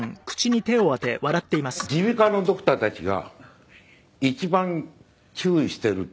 耳鼻科のドクターたちが一番注意しているというよりも。